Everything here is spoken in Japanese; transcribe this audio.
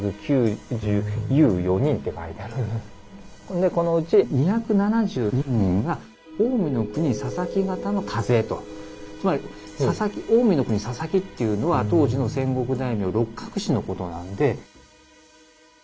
でこのうち２７２人がつまり「近江国佐々木」っていうのは当時の戦国大名六角氏のことなんで。